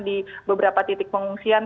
di beberapa titik pengungsian